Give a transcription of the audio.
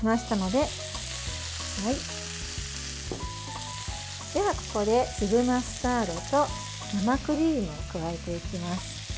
では、ここで粒マスタードと生クリームを加えていきます。